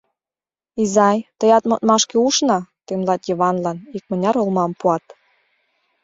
— Изай, тыят модмашке ушно! — темлат Йыванлан, икмыняр олмам пуат.